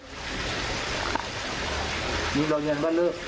นี่เรายังยังว่าเลิก